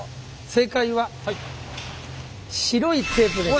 正解は白いテープです。